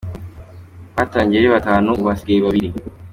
Batangiye ari batanu, ubu hasigaye babiri .